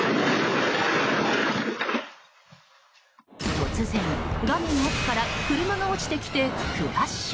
突然、画面奥から車が落ちてきてクラッシュ。